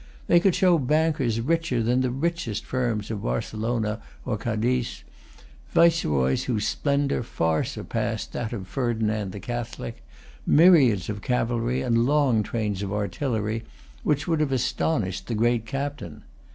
They could show bankers richer than the richest firms of Barcelona or Cadiz, viceroys whose splendour far surpassed that of Ferdinand the Catholic, myriads of cavalry and long trains of artillery which would have astonished the Great Captain.